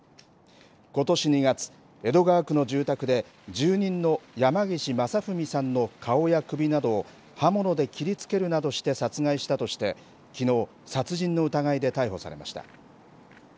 ことし２月、江戸川区の住宅で住人の山岸正文さんの顔や首などを刃物で切りつけるなどして殺害したとしてきのう、殺人の疑いで逮捕されました。